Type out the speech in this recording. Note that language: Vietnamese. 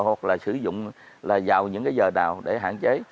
hoặc là sử dụng là vào những cái giờ nào để hạn chế